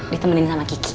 ditemenin sama kiki